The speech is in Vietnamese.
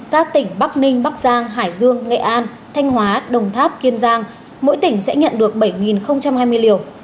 các tỉnh bắc ninh bắc giang hải dương nghệ an thanh hóa đồng tháp kiên giang mỗi tỉnh sẽ nhận được bảy hai mươi liều